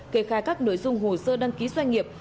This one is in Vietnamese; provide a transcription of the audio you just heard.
kê khai các nội dung hồ sơ đăng ký doanh nghiệp